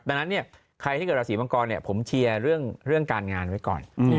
ดังนั้นใครที่เกิดราศีมังกรผมเชียร์เรื่องการงานไว้ก่อน